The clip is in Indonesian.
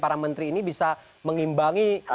para menteri ini bisa mengimbangi